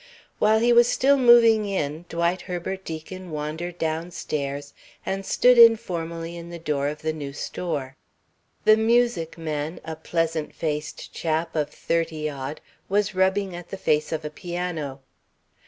While he was still moving in, Dwight Herbert Deacon wandered downstairs and stood informally in the door of the new store. The music man, a pleasant faced chap of thirty odd, was rubbing at the face of a piano.